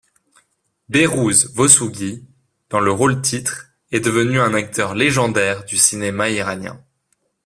Behrouz Vossoughi, dans le rôle-titre, est devenu un acteur légendaire du cinéma iranien.